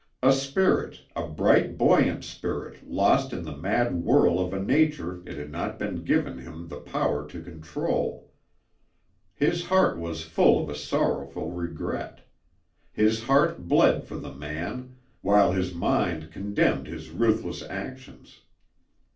A spirit, a bright buoyant spirit lost in the mad whirl of a nature it had not been given him the power to control. His heart was full of a sorrowful regret. His heart bled for the man, while his mind condemned his ruthless actions.